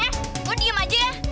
eh lo diam aja ya